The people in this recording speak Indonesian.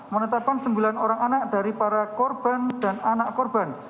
menetapkan sembilan orang anak dari para korban dan anak korban